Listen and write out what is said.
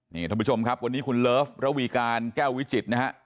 นี่เฉพาะผู้ชมครับวันนี้คุณเลิฟลาวีการแก้ววิเจศนะครับ